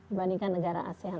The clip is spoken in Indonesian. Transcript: dibandingkan negara asean lain